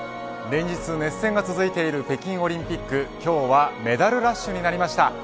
連日熱戦が続いている北京オリンピック今日はメダルラッシュになりました。